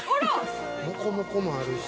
◆モコモコもあるし。